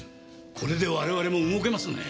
これで我々も動けますねえ。